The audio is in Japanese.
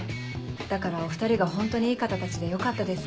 だからお２人がホントにいい方たちでよかったです。